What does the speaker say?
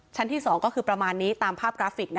ชั้นที่๒ก็คือประมาณนี้ตามภาพกราฟิก